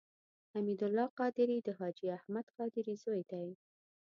حمید الله قادري د حاجي احمد قادري زوی دی.